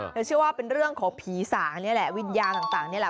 เชื่อว่าเป็นเรื่องของผีสางนี่แหละวิญญาณต่างนี่แหละ